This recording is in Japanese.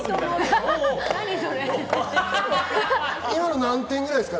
今の何点ぐらいですか？